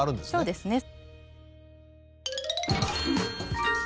そうですね。